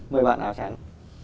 mời bạn áo trắng